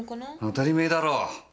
当たりめえだろう！